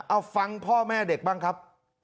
เอาฟังพ่อแม่เด็กบ้างครับ